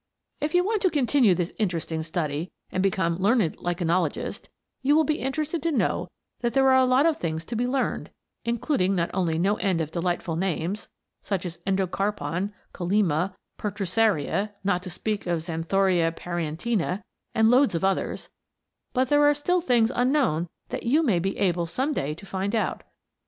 If you want to continue this interesting study and become Learned Lichenologists, you will be interested to know that there are a lot of things to be learned, including not only no end of delightful names, such as Endocarpon, Collema, Pertusaria, not to speak of Xanthoria parietina, and loads of others, but there are still things unknown that you may be able some day to find out.